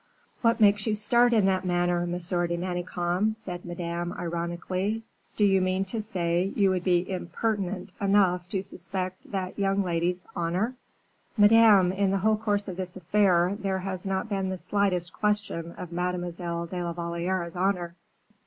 "What makes you start in that manner, Monsieur de Manicamp?" said Madame, ironically; "do you mean to say you would be impertinent enough to suspect that young lady's honor?" "Madame, in the whole course of this affair there has not been the slightest question of Mademoiselle de la Valliere's honor."